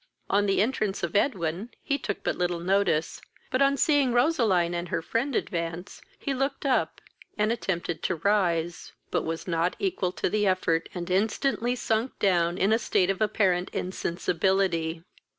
On the entrance of Edwin, he took but little notice, but, on seeing Roseline and her friend advance, he looked up, and attempted to rise, but was not equal to the effort, and instantly sunk down in a state of apparent insensibility.